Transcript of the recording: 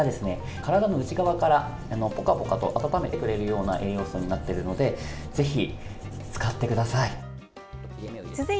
体の内側からポカポカと温めてくれるような栄養素になっているのでぜひ、使ってください。